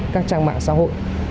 các trang mạng xã hội